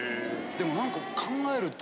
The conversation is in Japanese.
でもなんか考えると。